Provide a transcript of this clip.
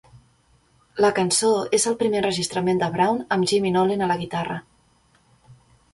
La cançó és el primer enregistrament de Brown amb Jimmy Nolen a la guitarra.